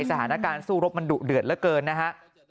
สถานการณ์สู้รบมันดุเดือดเหลือเกินนะฮะ